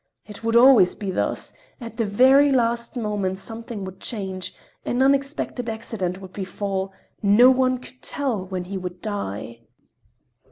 It would always be thus—at the very last moment something would change, an unexpected accident would befall—no one could tell when he would die.